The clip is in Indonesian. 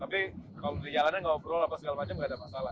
tapi kalau di jalanan ngobrol apa segala macam gak ada masalah